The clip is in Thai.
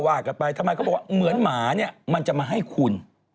ว่ากันไปทำไมเขาบอกว่าเหมือนหมาเนี่ยมันจะมาให้คุณ